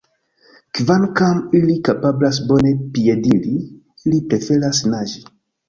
Kvankam ili kapablas bone piediri, ili preferas naĝi.